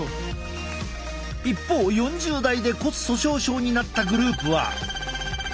一方４０代で骨粗しょう症になったグループは。